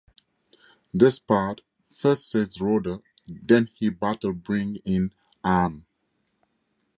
Despard first saves Rhoda then he and Battle bring in Anne.